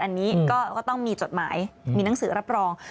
อันนี้ก็ต้องมีจดหมายมีหนังสือรับรอง